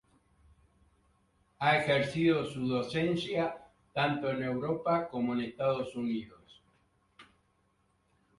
Ha ejercido su docencia tanto en Europa como en Estados Unidos.